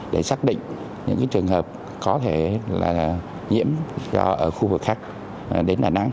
để xác định những trường hợp có thể nhiễm ở khu vực khác đến đà nẵng